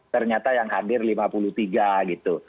ternyata yang hadir lima puluh tiga gitu